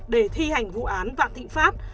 để thi hành vụ án vạn thịnh pháp